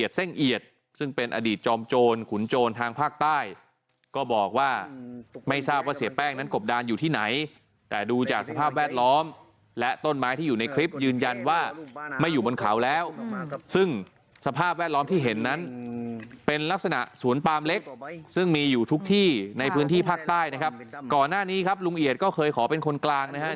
ซึ่งเป็นอดีตจอมโจรขุนโจรทางภาคใต้ก็บอกว่าไม่ทราบว่าเสียแป้งนั้นกบดานอยู่ที่ไหนแต่ดูจากสภาพแวดล้อมและต้นไม้ที่อยู่ในคลิปยืนยันว่าไม่อยู่บนเขาแล้วซึ่งสภาพแวดล้อมที่เห็นนั้นเป็นลักษณะสวนปามเล็กซึ่งมีอยู่ทุกที่ในพื้นที่ภาคใต้นะครับก่อนหน้านี้ครับลุงเอียดก็เคยขอเป็นคนกลางนะฮะ